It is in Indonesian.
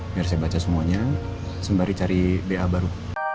biar saya baca semuanya sembari cari ba baru